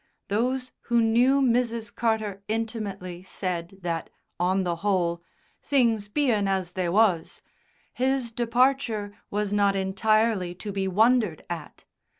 Those who knew Mrs. Carter intimately said that, on the whole, "things bein' as they was," his departure was not entirely to be wondered at.